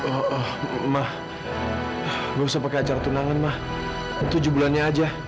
oh ma gue usah pakai acara tunangan ma tujuh bulannya aja